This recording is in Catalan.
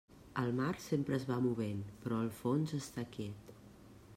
El mar sempre es va movent, però el fons està quiet.